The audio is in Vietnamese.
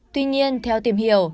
tuy nhiên theo tìm hiểu